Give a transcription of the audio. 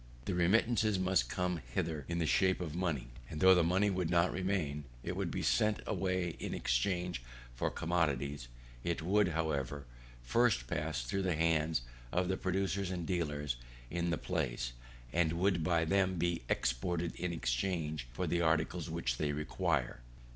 The remittances must come thither in the shape of money; and though the money would not remain, but would be sent away in exchange for commodities, it would, however, first pass through the hands of the producers and dealers in the place, and would by them be exported in exchange for the articles which they require viz.